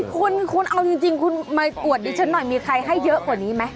คุณคุณเอาจริงคุณมาอวดดิฉันหน่อยมีใครให้เยอะกว่านี้ไหม